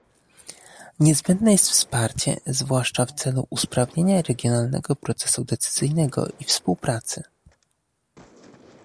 Niezbędne jest wsparcie, zwłaszcza w celu usprawnienia regionalnego procesu decyzyjnego i współpracy